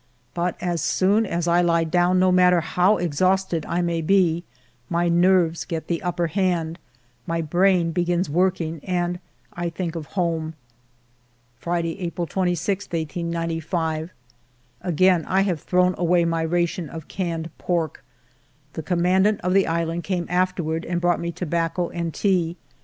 But as soon as I he down, no matter how exhausted I may be, my nerves get the upper hand, my brain begins working, and I think of home. Friday^ April 26, 1895. Again 1 have thrown away my ration of canned pork. The commandant of the island came afterward and brought me tobacco and tea.